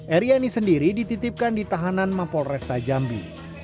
eriani sendiri dititipkan di tahanan mapol resta jambi